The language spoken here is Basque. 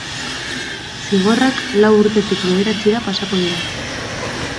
Zigorrak lau urtetik bederatzira pasako dira.